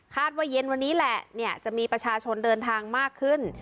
ว่าเย็นวันนี้แหละจะมีประชาชนเดินทางมากขึ้น